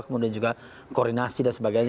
kemudian juga koordinasi dan sebagainya